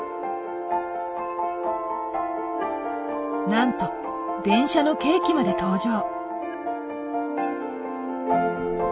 なんと電車のケーキまで登場。